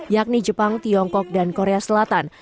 yakni jepang tiongkok dan korea selatan